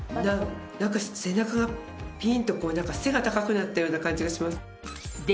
なんか背中がピーンとこう背が高くなったような感じがします。